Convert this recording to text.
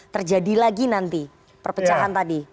terjadi lagi nanti perpecahan tadi